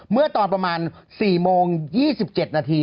เมื่อตอนประมาณ๔โมง๒๗นาที